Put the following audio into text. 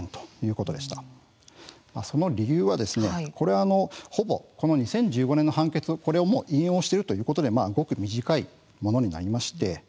その理由は２０１５年の判決を引用しているということでごく短いものになりました。